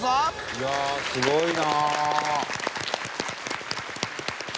いやあすごいな。